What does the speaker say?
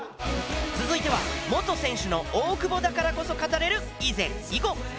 続いては元選手の大久保だからこそ語れる以前以後。